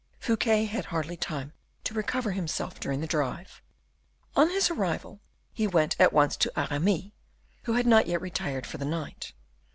Fouquet had hardly time to recover himself during the drive; on his arrival he went at once to Aramis, who had not yet retired for the night.